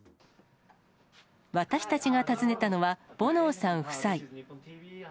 私たちが訪ねたのは、ボノーさん夫妻。